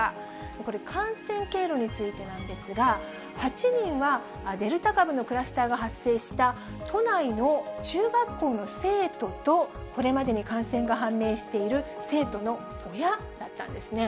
これ、感染経路についてなんですが、８人はデルタ株のクラスターが発生した、都内の中学校の生徒と、これまでに感染が判明している生徒の親だったんですね。